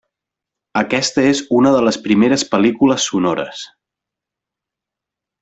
Aquesta és una de les primeres pel·lícules sonores.